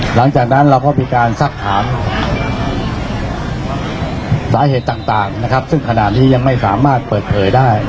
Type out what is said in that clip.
หลังจากนั้นเราก็มีการซักถามสาเหตุต่างนะครับซึ่งขณะนี้ยังไม่สามารถเปิดเผยได้